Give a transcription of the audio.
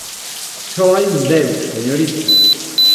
Só hai un deus, señorita.